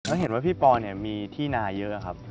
เราเห็นว่าพี่ป๋อเนี่ยมีที่นาเยอะครับ